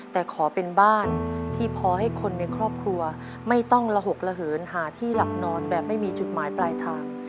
แต่ขอเป็นบ้านที่พอให้คนในครอบครัวไม่ต้องระหกระเหินหาที่หลับนอนแบบไม่มีจุดหมายปลายทาง